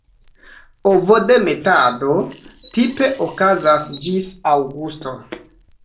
Ovodemetado tipe okazas ĝis aŭgusto.